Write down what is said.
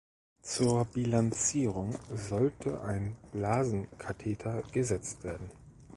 Zur Bilanzierung sollte ein Blasenkatheter gesetzt werden.